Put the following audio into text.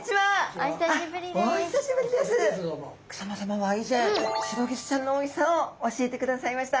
草間さまは以前シロギスちゃんのおいしさを教えてくださいました。